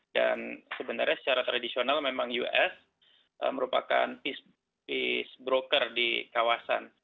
dan sebenarnya secara tradisional memang us merupakan peace broker di kawasan